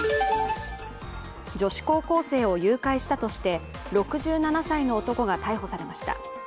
女子高校生を誘拐したとして６７歳の男が逮捕されました。